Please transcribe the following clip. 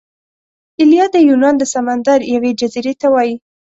ایلیا د یونان د سمندر یوې جزیرې ته وايي.